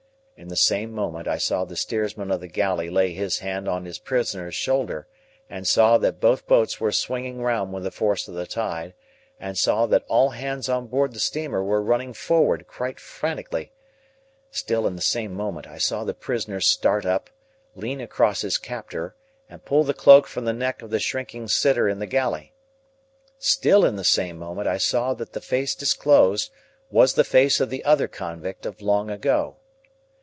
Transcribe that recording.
In the same moment, I saw the steersman of the galley lay his hand on his prisoner's shoulder, and saw that both boats were swinging round with the force of the tide, and saw that all hands on board the steamer were running forward quite frantically. Still, in the same moment, I saw the prisoner start up, lean across his captor, and pull the cloak from the neck of the shrinking sitter in the galley. Still in the same moment, I saw that the face disclosed, was the face of the other convict of long ago.